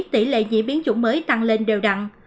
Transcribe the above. tỷ lệ diễn biến chủng mới tăng lên đều đặn